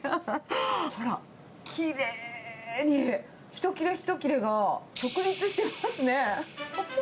ほら、きれいに一切れ一切れが直立してますね。